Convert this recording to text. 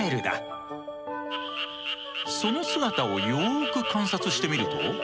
その姿をよく観察してみると。